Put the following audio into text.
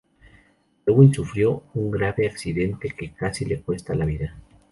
Downing sufrió un grave accidente que casi le cuesta la vida.